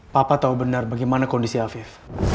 papa tahu benar bagaimana kondisi afif